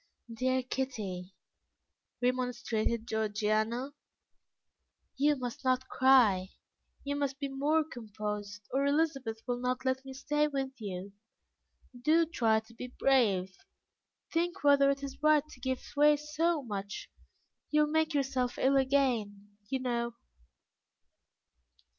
"Dear Kitty," remonstrated Georgiana, "you must not cry; you must be more composed, or Elizabeth will not let me stay with you. Do try to be brave; think whether it is right to give way so much; you will make yourself ill again, you know."